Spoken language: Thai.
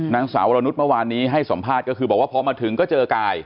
นางสาววรนุษย์เมื่อวานนี้ให้สัมภาษณ์ก็คือบอกว่าพอมาถึงก็เจอกาย